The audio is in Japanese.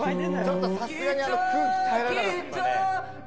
ちょっとさすがにあの空気耐えられなかった今ね。